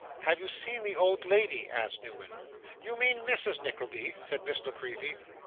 'Have you seen the old lady?' asked Newman. 'You mean Mrs. Nickleby?' said Miss La Creevy.